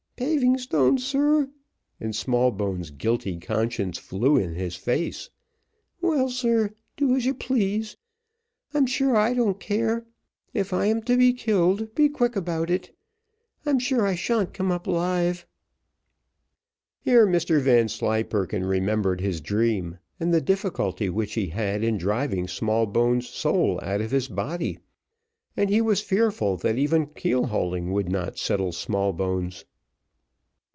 "Paving stones, sir!" and Smallbones' guilty conscience flew in his face. "Well, sir, do as you please, I'm sure I don't care; if I am to be killed, be quick about it I'm sure I sha'n't come up alive." Here Mr Vanslyperken remembered his dream, and the difficulty which he had in driving Smallbones' soul out of his body, and he was fearful that even keel hauling would not settle Smallbones.